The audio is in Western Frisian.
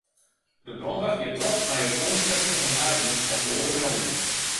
De brânwacht giet troch mei it oansprekken fan de eigeners op loaze meldingen.